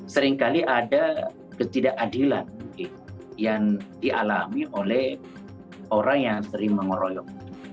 seringkali ada ketidakadilan yang dialami oleh orang yang sering mengeroyok